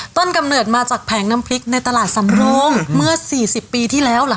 กำเนิดมาจากแผงน้ำพริกในตลาดสำโรงเมื่อ๔๐ปีที่แล้วเหรอค